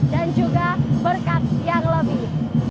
dan juga berkat yang lebih